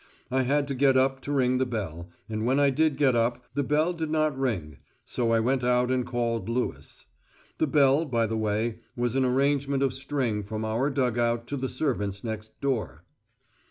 I had to get up to ring the bell, and when I did get up, the bell did not ring, so I went out and called Lewis. The bell, by the way, was an arrangement of string from our dug out to the servants' next door.